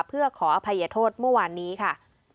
เพื่อขออภัยโทษเมื่อวานนี้ค่ะ